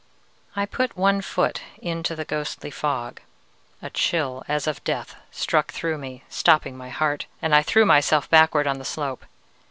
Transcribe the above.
"I put one foot into the ghostly fog. A chill as of death struck through me, stopping my heart, and I threw myself backward on the slope.